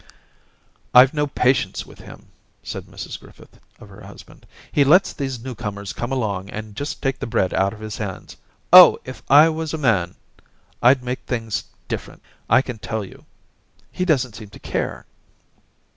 'I've no patience with him,' said Mrs Griffith, of her husband. ' He lets these newcomers come along and just take the 250 Orientations bread out of his hands. Oh, if I was a man, rd make things different, I can tell you I He doesn't seem to care.'